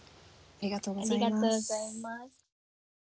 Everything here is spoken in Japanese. ありがとうございます。